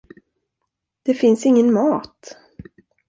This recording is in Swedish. Det finns ingen mat!